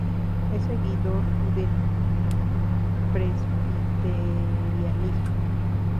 Es seguidor del presbiterianismo.